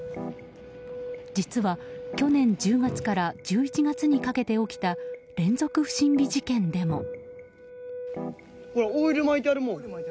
実は、去年１０月から１１月にかけて起きた連続不審火事件でも。